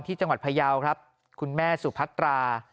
จังหวัดพยาวครับคุณแม่สุพัตรา